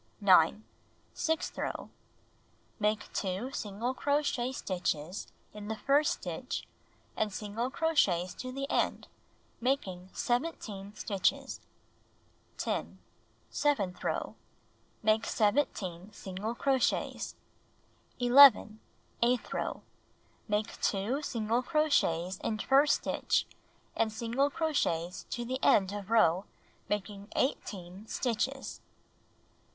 9. Sixth row: Make 2 single crochet stitches in the first stitch and single crochets to the end, making 17 stitches. 10. Seventh row: Make 17 single crochets. 11. Eighth row: Make 2 single crochets in first stitch and single crochets to the end of row, making 18 stitches.